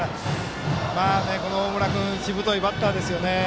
大村君しぶといバッターです。